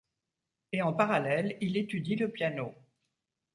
Et en parallèle, il étudie le piano.